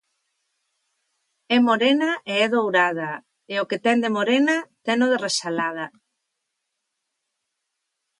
É morena e é dourada, e o que ten de morena, tenno de resalada.